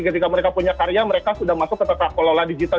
ketika mereka punya karya mereka sudah masuk ke tata kelola digital